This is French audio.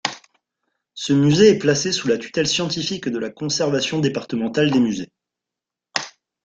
Ce musée est placé sous la tutelle scientifique de la conservation départementale des musées.